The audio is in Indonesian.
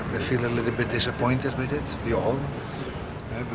mereka agak sedikit kecewa dengan itu kita semua